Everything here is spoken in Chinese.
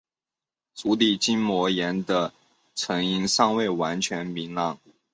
足底筋膜炎的成因尚未完全明朗。